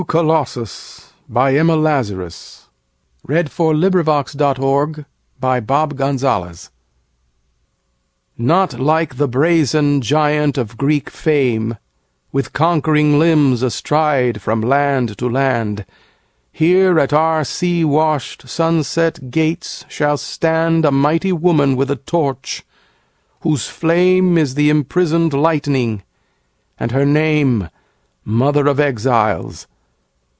The Book of New York Verse. 1917. The New Colossus Emma Lazarus NOT like the brazen giant of Greek fame, With conquering limbs astride from land to land; Here at our sea washed, sunset gates shall standA mighty woman with a torch, whose flameIs the imprisoned lightning, and her nameMother of Exiles.